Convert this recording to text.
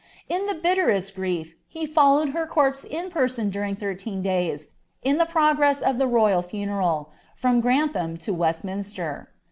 In the bitterest grief he followed her corpse »n during thirteen days, in the progress of the royal funeral, from m to Westminster.